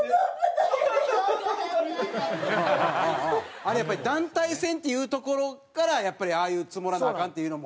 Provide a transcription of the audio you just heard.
あれやっぱり団体戦っていうところからやっぱりああいうツモらなアカンっていうのも。